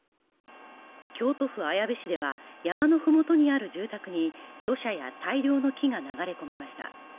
京都府綾部市では山のふもとにある住宅に土砂や大量の木が流れ込みました